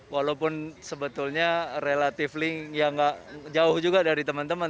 walaupun sebetulnya relatif link yang nggak jauh juga dari teman teman